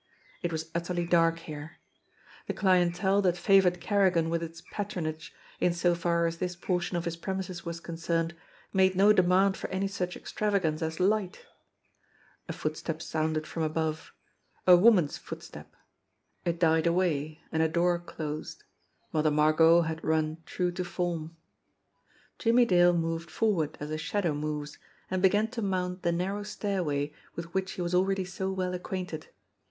It was utterly dark here. The clien tele that favored Kerrigan with its patronage, in so far as this portion of his premises was concerned, made no demand for any such extravagance as light ! A footstep sounded from above, a woman's footstep ; it died away, and a door closed. Mother Margot had run true to form ! Jimmie Dale moved forward as a shadow moves, and began to mount the narrow stairway with which he was already so well acquainted.